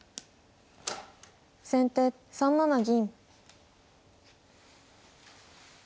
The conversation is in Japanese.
先手３七銀。